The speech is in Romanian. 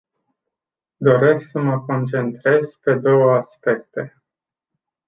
Doresc să mă concentrez pe două aspecte.